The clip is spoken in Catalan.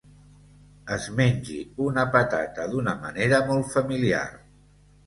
Es mengi una patata d'una manera molt familiar.